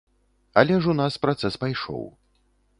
Але ж у нас працэс пайшоў.